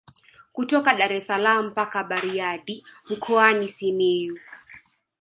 Kutoka Daressalaam mpaka Bariadi mkoani Simiyu